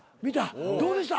どうでした？